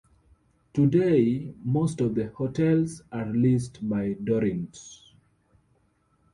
Today, most of the hotels are leased by Dorint.